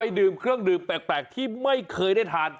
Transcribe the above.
ดื่มเครื่องดื่มแปลกที่ไม่เคยได้ทาน